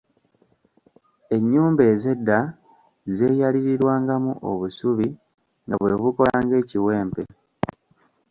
Ennyumba ez'edda zaayaliirirwangamu obusubi nga bwe bukola ng'ekiwempe.